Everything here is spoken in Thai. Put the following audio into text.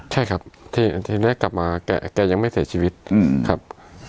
ใช่ครับทีแรกกลับมาแกยังไม่เสียชีวิตครับ